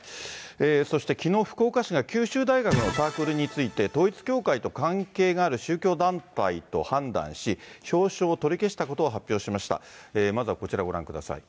そしてきのう、福岡市が九州大学のサークルについて、統一教会と関係がある宗教団体と判断し、表彰を取り消したことを発表しました。